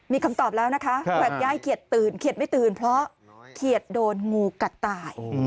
มีคำตอบแล้วนะคะแบบยายเขียดตื่นเขียดไม่ตื่นเพราะเขียดโดนงูกัดตาย